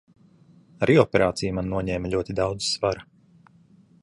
Arī operācija man noņēma ļoti daudz no svara.